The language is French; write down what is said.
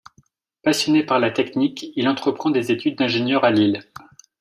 Passionné par la technique, il entreprend des études d’ingénieur à Lille.